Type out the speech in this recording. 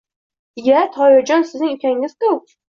Iya, Toyirjon sizning ukangiz-ku!